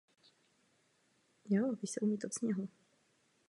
Pojetí obce je obdobné také na Slovensku.